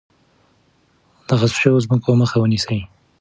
د غصب شوو ځمکو مخه ونیسئ.